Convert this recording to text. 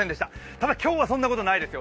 ただ、今日はそんなことないですよ